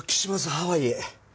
ハワイへ！」。